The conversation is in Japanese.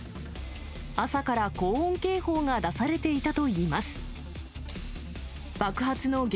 朝から高温警報が出されていたといいます。